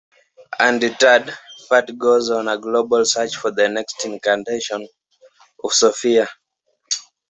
Undeterred, Fat goes on a global search for the next incarnation of Sophia.